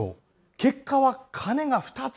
結果は鐘が２つ。